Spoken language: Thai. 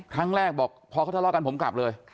แรกบอกพอเขาทะเลาะกันผมกลับเลย